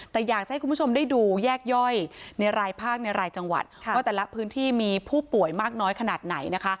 แต่อยากจะให้คุณผู้ชมได้ดูแยกย่อยในรายภาคในรายจังหวัดว่าแต่ละพื้นที่มีผู้ป่วยมากน้อยขนาดไหนนะคะ